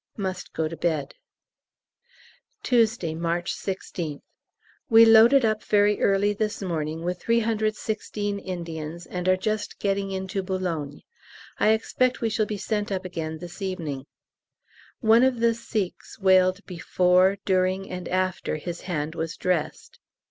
Must go to bed. Tuesday, March 16th. We loaded up very early this morning with 316 Indians, and are just getting into Boulogne. I expect we shall be sent up again this evening. One of the Sikhs wailed before, during, and after his hand was dressed.